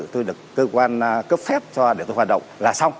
tôi được cơ quan cấp phép cho để tôi hoạt động là xong